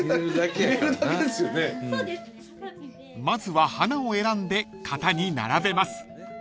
［まずは花を選んで型に並べます］